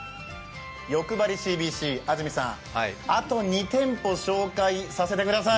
よくばりＣＢＣ、安住さん、あと２店舗紹介させてください。